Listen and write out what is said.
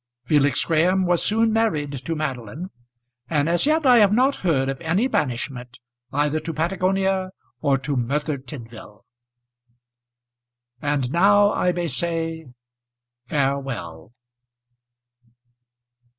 Felix Graham was soon married to Madeline; and as yet I have not heard of any banishment either to Patagonia or to Merthyr Tydvil. And now I may say, Farewell.